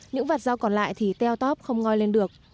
những vặt rau còn lại thì teo tóp không ngoi lên được